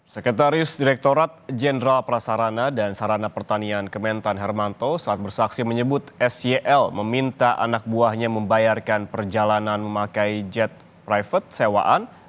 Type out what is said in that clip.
sekretaris direkturat jenderal prasarana dan sarana pertanian kementan hermanto saat bersaksi menyebut syl meminta anak buahnya membayarkan perjalanan memakai jet private sewaan